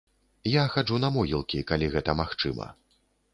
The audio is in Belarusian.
Я хаджу на могілкі, калі гэта магчыма.